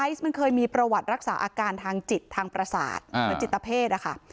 ไอซ์มันเคยมีประวัติรักษาอาการทางจิตทางประสาททางจิตเทพธิ์